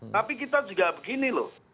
tapi kita juga begini loh